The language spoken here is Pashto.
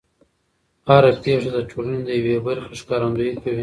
هر پېښه د ټولنې د یوې برخې ښکارندويي کوي.